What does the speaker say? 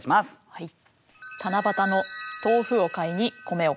はい。